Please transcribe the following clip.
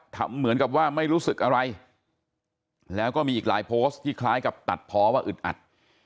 เหมือนกับว่าไม่รู้สึกอะไรแล้วก็มีอีกหลายโพสต์ที่คล้ายกับตัดเพราะว่าอึดอัด